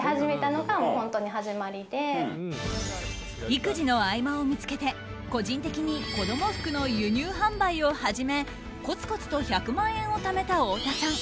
育児の合間を見つけて個人的に子供服の輸入販売を始めコツコツと１００万円をためた太田さん。